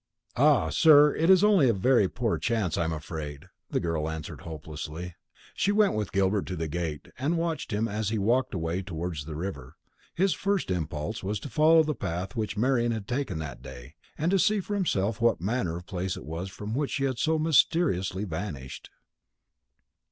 "Ah, sir, it's only a very poor chance, I'm afraid," the girl answered hopelessly. She went with Gilbert to the gate, and watched him as he walked away towards the river. His first impulse was to follow the path which Marian had taken that day, and to see for himself what manner of place it was from which she had so mysteriously vanished.